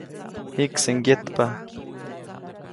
Jikse ŋgyetpa.